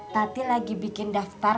tadi lagi bikin daftar